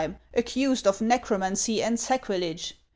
Throiidhjem, accused of necromancy and sacrilege.